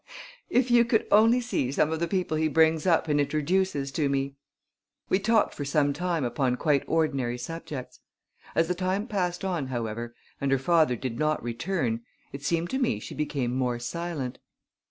"If you could only see some of the people he brings up and introduces to me!" We talked for some time upon quite ordinary subjects. As the time passed on, however, and her father did not return, it seemed to me she became more silent.